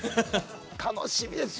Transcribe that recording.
楽しみですよ。